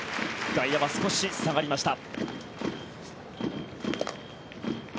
外野は少し下がりました。